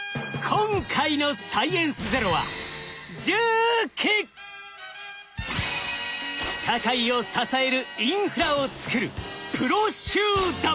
今回の「サイエンスＺＥＲＯ」は社会を支えるインフラを作るプロ集団。